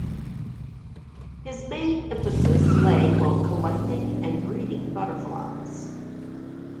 His main emphasis lay on collecting and breeding butterflies.